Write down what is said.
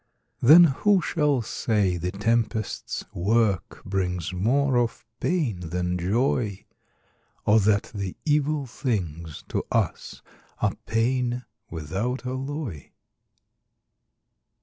Then who shall say the tempest's work Brings more of pain than joy; Or that the evil things, to us Are pain, without alloy?